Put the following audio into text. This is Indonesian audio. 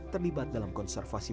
terlibat dalam konservasi